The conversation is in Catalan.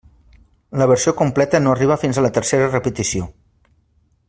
La versió completa no arriba fins a la tercera repetició.